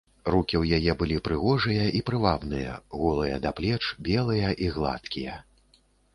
Рукі ў яе былі прыгожыя і прывабныя, голыя да плеч, белыя і гладкія.